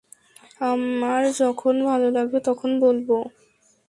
আমার যখন ভালো লাগবে তখন বলব।